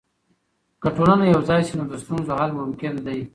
که ټولنه یوځای سي، نو د ستونزو حل ممکن دی.